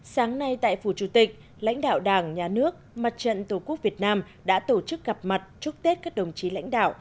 sáng nay tại phủ chủ tịch lãnh đạo đảng nhà nước mặt trận tổ quốc việt nam đã tổ chức gặp mặt chúc tết các đồng chí lãnh đạo